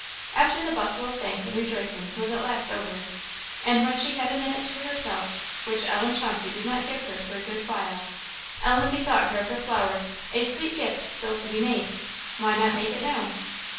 After the bustle of thanks and rejoicing was at last over, and when she had a minute to herself, which Ellen Chauncey did not give her for a good while, Ellen bethought her of her flowers a sweet gift still to be made. Why not make it now?